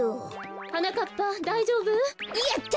はなかっぱだいじょうぶ？やった！